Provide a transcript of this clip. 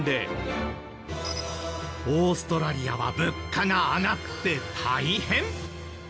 オーストラリアは物価が上がって大変！